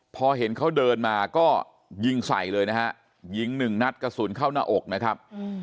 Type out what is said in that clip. พอเห็นเขาเดินมาก็ยิงใส่เลยนะฮะยิงหนึ่งนัดกระสุนเข้าหน้าอกนะครับ